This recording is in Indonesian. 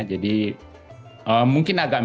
jadi mungkin agak misalnya